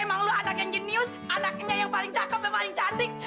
emang lu anak yang jenius anaknya yang paling cakep yang paling cantik